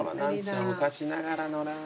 昔ながらのラーメン。